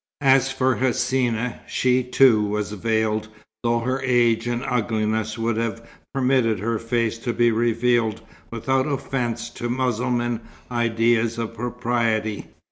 As for Hsina, she, too, was veiled, though her age and ugliness would have permitted her face to be revealed without offence to Mussulman ideas of propriety.